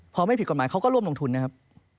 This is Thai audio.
พอไม่ผิดกฎหมายเขาก็ร่วมลงทุนนะครับ